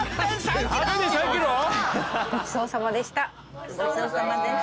ごちそうさまでした。